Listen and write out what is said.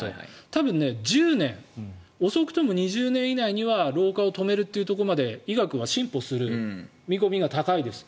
多分、１０年遅くとも２０年以内には老化を止めるというところまで医学は進歩する見込みが高いです。